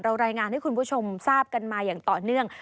รายงานให้คุณผู้ชมทราบกันมาอย่างต่อเนื่อง